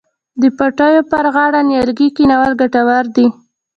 د پټیو پر غاړه نیالګي کینول ګټور دي.